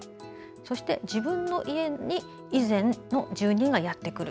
そして自分の家に以前の住人がやってくる。